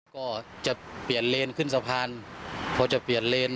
ก็จะเปลี่ยนเลนขึ้นสะพานพอจะเปลี่ยนเลน